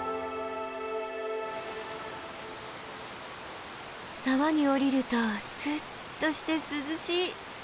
沢に下りるとスッとして涼しい。